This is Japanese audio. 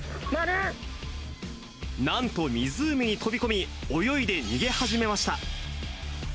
なんと湖に飛び込み、泳いで逃げ始めました。